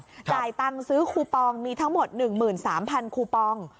จ่ายตังค์ซื้อคูปองมีทั้งหมด๑๓๐๐คูปอง